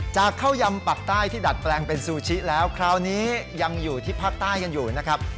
ข้าวยำปากใต้ที่ดัดแปลงเป็นซูชิแล้วคราวนี้ยังอยู่ที่ภาคใต้กันอยู่นะครับ